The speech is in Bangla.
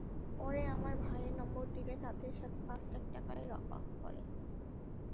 পরে আমার ভাইয়ের নম্বর দিলে তাদের সাথে পাঁচ লাখ টাকায় রফা করে।